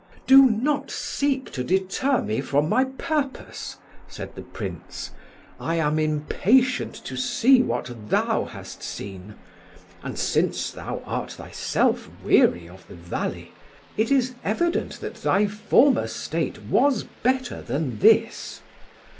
"Do not seek to deter me from my purpose," said the Prince. "I am impatient to see what thou hast seen; and since thou art thyself weary of the valley, it is evident that thy former state was better than this.